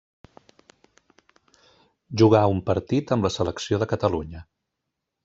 Jugà un partit amb la selecció de Catalunya.